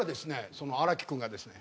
その荒木君がですね